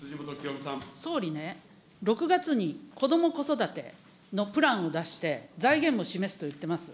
総理ね、６月にこども・子育てのプランを出して、財源も示すといってます。